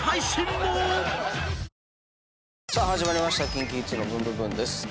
『ＫｉｎＫｉＫｉｄｓのブンブブーン！』です。